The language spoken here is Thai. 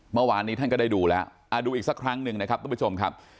เมื่อวานนี้ท่านก็ได้ดูแล้วดูอีกสักครั้งหนึ่งนะครับทุกผู้ชมครับ